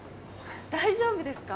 大丈夫ですか？